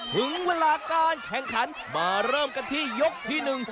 ถึงเวลาการแข่งขันมาเริ่มกันที่ยกที่หนึ่ง